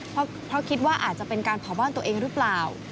เพราะคิดว่าอาจจะเป็นการเผาบ้านตัวเองหรือเปล่า